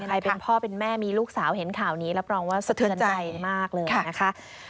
เป็นพ่อเป็นแม่มีลูกสาวเห็นข่าวนี้รับรองว่าสะเทือนใจมากเลยนะคะ